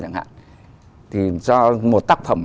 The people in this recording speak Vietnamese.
thì cho một tác phẩm